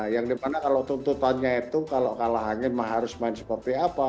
yang dimana kalau tuntutannya itu kalau kalah angin harus main seperti apa